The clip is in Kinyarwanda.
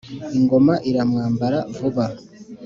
ingoma iramwambara vuba.